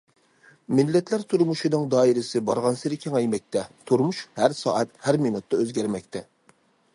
مىللەتلەر تۇرمۇشىنىڭ دائىرىسى بارغانسېرى كېڭەيمەكتە، تۇرمۇش ھەر سائەت، ھەر مىنۇتتا ئۆزگەرمەكتە.